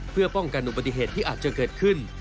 เพื่อป้องกันอุบัติเหตุที่อาจจะเกิดขึ้น